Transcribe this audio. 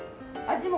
味も。